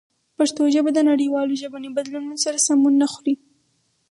پښتو ژبه د نړیوالو ژبني بدلونونو سره سمون نه خوري.